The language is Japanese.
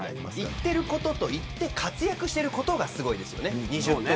いっていることと活躍していることがすごいですね。